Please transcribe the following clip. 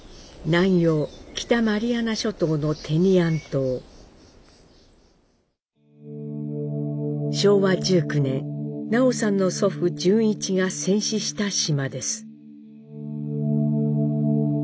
南洋北マリアナ諸島の昭和１９年南朋さんの祖父潤一が戦死した島です。